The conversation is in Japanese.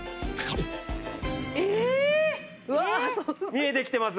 見えてきてます？